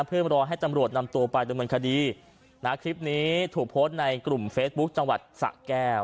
เพื่อรอให้ตำรวจนำตัวไปดำเนินคดีนะคลิปนี้ถูกโพสต์ในกลุ่มเฟซบุ๊คจังหวัดสะแก้ว